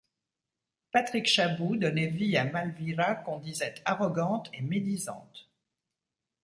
Patrick Chaboud donnait vie à Malvira qu'on disait arrogante et médisante.